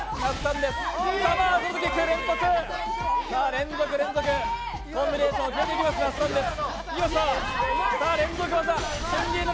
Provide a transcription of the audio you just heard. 連続、連続、コンビネーションを決めていきます、那須さんです。